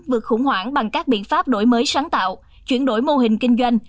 vượt khủng hoảng bằng các biện pháp đổi mới sáng tạo chuyển đổi mô hình kinh doanh